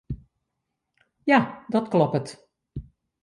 Ja, dat kloppet.